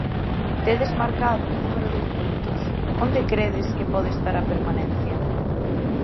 Tedes marcado un número de puntos, onde credes que pode estar a permanencia?